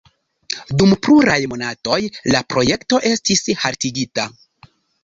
Dum pluraj monatoj la projekto estis haltigita.